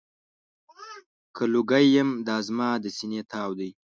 که لوګی یم، دا زما د سینې تاو دی.